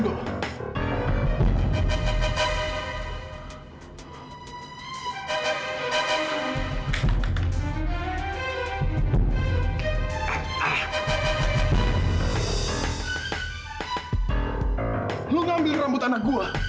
dok dok kembali rambut anak gua